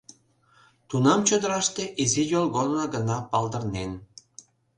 Тунам чодыраште изи йолгорно гына палдырнен.